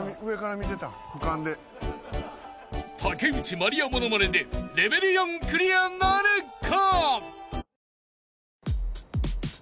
［竹内まりやモノマネでレベル４クリアなるか？］